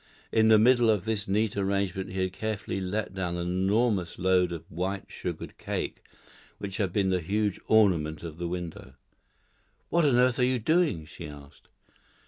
In the middle of this neat arrangement he had carefully let down the enormous load of white sugared cake which had been the huge ornament of the window. "What on earth are you doing?" she asked.